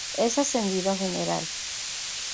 Es ascendido a general.